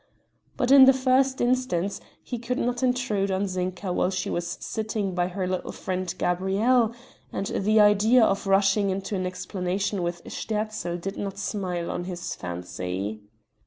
But, in the first instance, he could not intrude on Zinka while she was sitting by her little friend Gabrielle, and the idea of rushing into an explanation with Sterzl did not smile on his fancy.